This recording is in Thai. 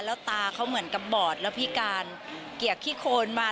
แล้วตาเขาเหมือนกับบอดแล้วพิการเกียกขี้โคนมา